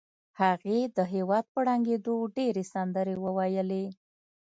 هغې د هېواد په ړنګېدو ډېرې سندرې وویلې